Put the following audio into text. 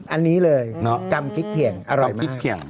อันนี้เลยจำกิ๊กเพียงอร่อยมากจำกิ๊กเพียง